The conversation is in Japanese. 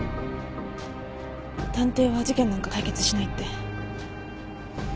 探偵は事件なんか解決しないって。